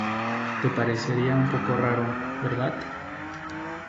Te parecería un poco raro, ¿verdad?